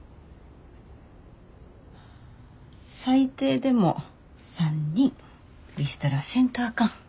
最低でも３人リストラせんとあかん。